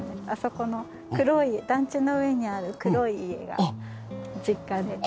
あそこの黒い団地の上にある黒い家が実家で。